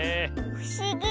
ふしぎ。